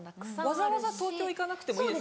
わざわざ東京行かなくてもいい。